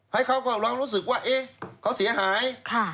ให้เขาก็ลองรู้สึกว่าเขาเสียหาย